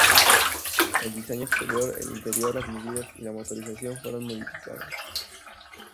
El diseño exterior, el interior, las medidas y la motorización, fueron modificadas.